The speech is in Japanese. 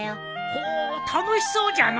ほお楽しそうじゃの。